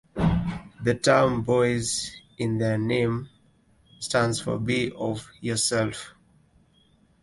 The term "Boys" in their name stands for "Best of Your Self".